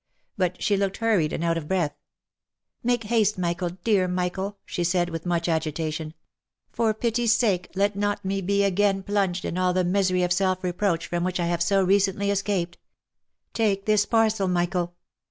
But she looked hurried and out of breath. •• Make haste, Michael, dear Michael t* she said, with much agita z2 340 THE LIFE AND ADVENTURES tion. " For pity's sake let me not be again plunged in all the misery of self reproach from which I have so recently escaped. Take this parcel, Michael!